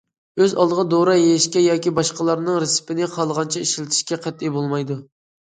ئۆز ئالدىغا دورا يېيىشكە ياكى باشقىلارنىڭ رېتسېپىنى خالىغانچە ئىشلىتىشكە قەتئىي بولمايدۇ.